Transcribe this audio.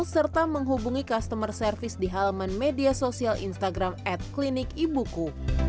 serta menghubungi klinik ibuku